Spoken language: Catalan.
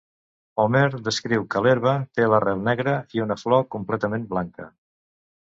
Homer descriu que l'herba té l'arrel negra i una flor completament blanca.